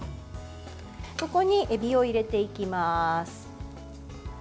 そこにエビを入れていきます。